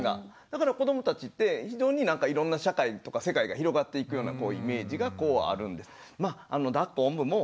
だから子どもたちって非常にいろんな社会とか世界が広がっていくようなイメージがこうあるんです。